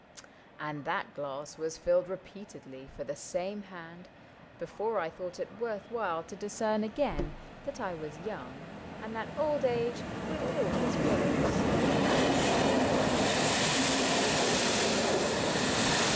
And that glass Was filled repeatedly for the same hand Before I thought it worth while to discern Again that I was young, and that old age, With all his woes, had some advantages.